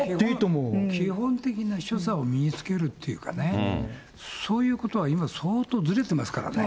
基本的な所作を身につけるというかね、そういうこと今、相当ずれてますからね。